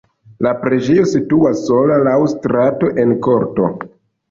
La preĝejo situas sola laŭ strato en korto.